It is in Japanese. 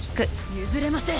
譲れません。